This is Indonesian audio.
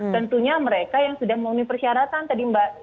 tentunya mereka yang sudah memenuhi persyaratan tadi mbak